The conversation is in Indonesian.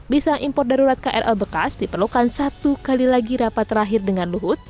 bisa impor darurat krl bekas diperlukan satu kali lagi rapat terakhir dengan luhut